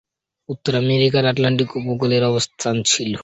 উত্তর আমেরিকার আটলান্টিক উপকূলে এর অবস্থান ছিল।